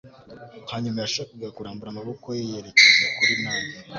Hanyuma yashakaga kurambura amaboko ye yerekeza kuri nave